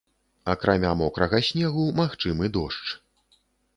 Акрамя мокрага снегу магчымы дождж.